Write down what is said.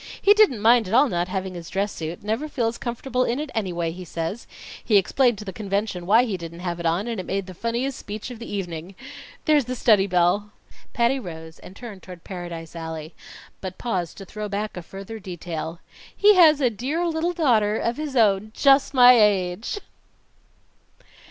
He didn't mind at all not having his dress suit never feels comfortable in it anyway, he says. He explained to the convention why he didn't have it on, and it made the funniest speech of the evening. There's the study bell." Patty rose and turned toward Paradise Alley, but paused to throw back a further detail: "He has a dear little daughter of his own just my age!"